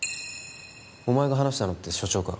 お前が話したのって所長か？